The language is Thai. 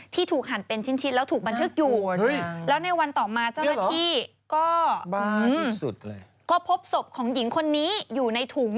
ที่ถูกหันเป็นชิ้นแล้วถูกบันทึกอยู่